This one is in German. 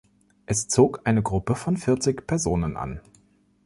Es zog eine Gruppe von vierzig Personen an.